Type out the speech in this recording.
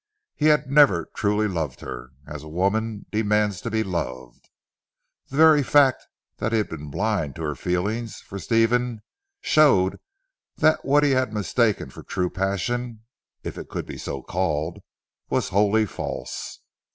He had never truly loved her, as a woman demands to be loved. The very fact that he had been blind to her feeling for Stephen showed that what he had mistaken for true passion if it could be so called was wholly false.